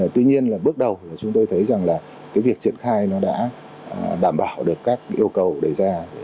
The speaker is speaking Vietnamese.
tuy nhiên là bước đầu chúng tôi thấy rằng là cái việc triển khai nó đã đảm bảo được các yêu cầu đề ra